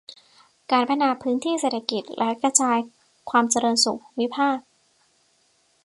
การพัฒนาพื้นที่เศรษฐกิจและการกระจายความเจริญสู่ภูมิภาค